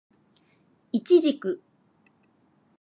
イチジク